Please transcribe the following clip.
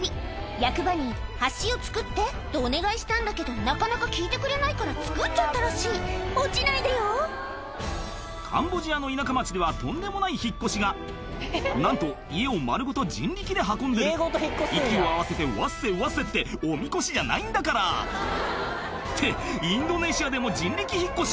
役場に「橋を造って」とお願いしたんだけどなかなか聞いてくれないから造っちゃったらしい落ちないでよカンボジアの田舎町ではとんでもない引っ越しがなんと家を丸ごと人力で運んでる息を合わせてわっせわっせっておみこしじゃないんだからってインドネシアでも人力引っ越し